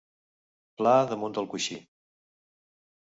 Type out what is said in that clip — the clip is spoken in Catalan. Pla damunt del coixí.